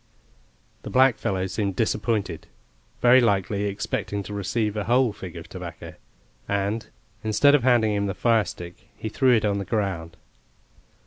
The blackfellow seemed disappointed; very likely expecting to receive a whole fig of tobacco and, instead of handing him the firestick he threw it on the ground.